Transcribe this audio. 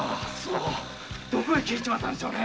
どこへ消えちまったんでしょうね？